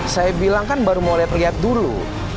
saya bilang kan baru mau lihat lihat dulu